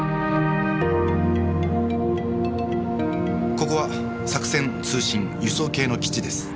ここは作戦通信輸送系の基地です。